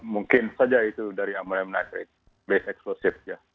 mungkin saja itu dari amonium nitrat base explosive